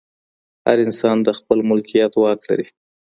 هر انسان د خپل ملکیت واک لري.